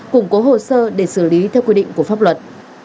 củng cố hồ sơ để xử lý theo quy định của pháp luật